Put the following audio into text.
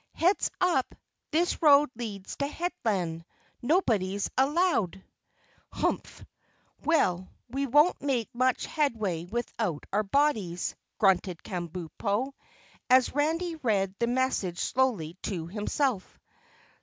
"Heads up! This road leads to Headland, nobody's allowed." "Humph! Well, we won't make much headway without our bodies," grunted Kabumpo, as Randy read the message slowly to himself.